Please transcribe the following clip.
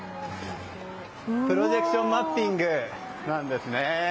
プロジェクションマッピングなんですね。